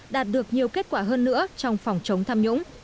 đạt được nhiều kết quả hơn nữa trong phòng chống tham nhũng